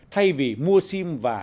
thay vì mua sim và